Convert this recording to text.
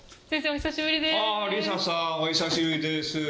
お久しぶりです。